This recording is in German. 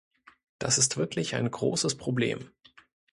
Das ist wirklich ein großes Problem.